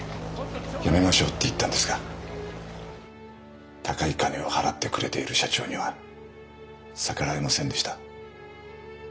やめましょうって言ったんですが高い金を払ってくれている社長には逆らえませんでした。